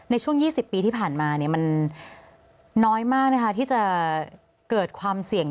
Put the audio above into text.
ในช่วง๒๐ปีที่ผ่านมามันน้อยมากนะคะที่จะเกิดความเสี่ยง